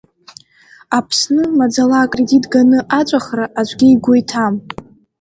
Аԥсны, маӡала акредит ганы аҵәахра аӡәгьы игәы иҭам.